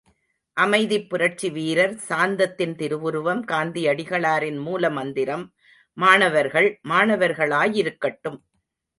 அமைதிப் புரட்சி வீரர், சாந்தத்தின் திருவுருவம் காந்தியடிகளாரின் மூல மந்திரம், மாணவர்கள், மாணவர்களாயிருக்கட்டும்.